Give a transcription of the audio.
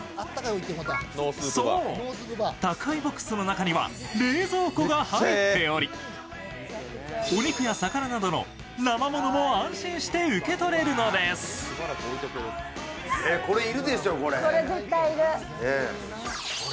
そう、宅配ボックスの中には冷蔵庫が入っておりお肉や魚などのなま物も安心して受け取れるのです。